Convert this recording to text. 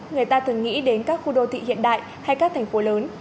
người ta thường nghĩ đến các khu đô thị hiện đại hay các thành phố lớn